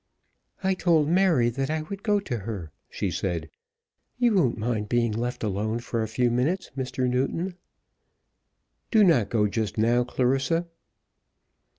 "I told Mary that I would go to her," she said, "you won't mind being left alone for a few minutes, Mr. Newton." "Do not go just now, Clarissa."